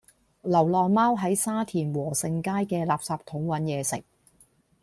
流浪貓喺沙田禾盛街嘅垃圾桶搵野食